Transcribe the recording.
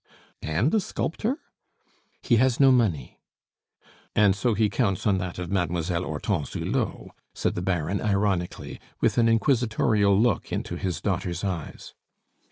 "And a sculptor?" "He has no money." "And so he counts on that of Mademoiselle Hortense Hulot?" said the Baron ironically, with an inquisitorial look into his daughter's eyes.